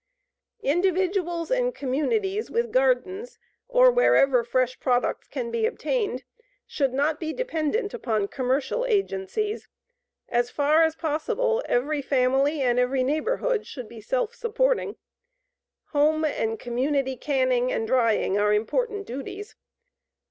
Individuals and communities with gardens or wherever fresh products can be obtained should not be dependent upon commercial agencies. AS FAR AS POSSIBLE EVERY FAMILY AND EVERY NEIGHBORHOOD SHOULD BE SELF SUPPORTING. HOME AND COMMUNITY CANNING AND DRYING ARE IMPORTANT DUTIES.